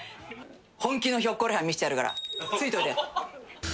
本気のひょっこりはん見せてやるからついておいで。